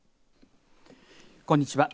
こんにちは。